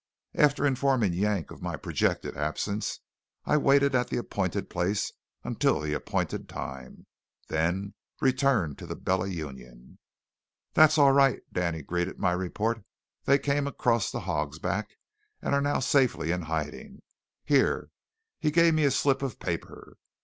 After informing Yank of my projected absence, I waited at the appointed place until the appointed time, then returned to the Bella Union. "That's all right," Danny greeted my report; "they came across the Hog's Back, and are now safely in hiding. Here," he gave me a slip of paper.